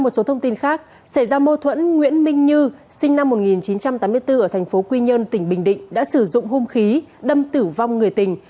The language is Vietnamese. sinh năm một nghìn chín trăm tám mươi bốn ở thành phố quy nhơn tỉnh bình định đã sử dụng hung khí đâm tử vong người tình